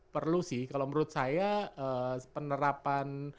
perlu sih kalau menurut saya penerapan